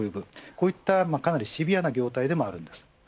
こういったシビアな業態でもあるんです。